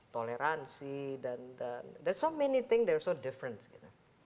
toleransi dan banyak sekali hal yang berbeda